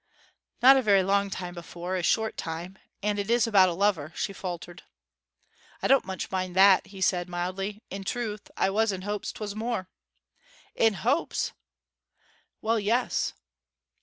'Not a very long time before a short time. And it is about a lover,' she faltered. 'I don't much mind that,' he said mildly. 'In truth, I was in hopes 'twas more.' 'In hopes!' 'Well, yes.'